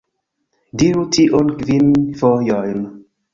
Diru tion kvin fojojn